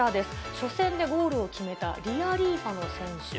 初戦でゴールを決めたリアリーファノ選手。